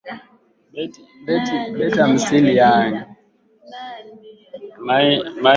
Hayo yalikuwemo katika Hotuba ya Dokta Ali Mohammed Shein